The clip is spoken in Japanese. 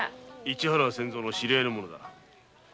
市原千蔵の知り合いの者だ。